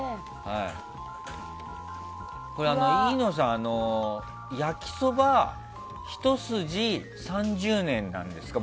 飯野さん、焼きそばひと筋３０年なんですか？